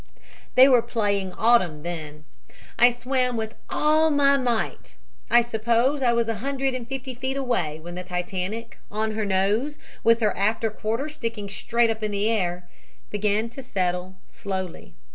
"They were playing 'Autumn' then. I swam with all my might. I suppose I was 150 feet away when the Titanic, on her nose, with her after quarter sticking straight up in the air, began to settle slowly.